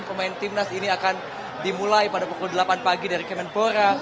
pemain timnas ini akan dimulai pada pukul delapan pagi dari kemenpora